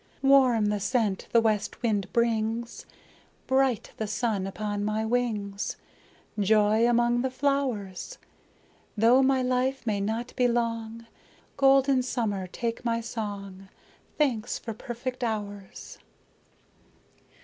Warm the scent the west wind brings, Bright the sun upon my wings, Joy among the flowers! Though my life may not be long, Golden summer, take my song! Thanks for perfect hours!